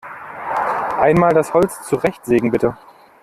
Einmal das Holz zurechtsägen, bitte!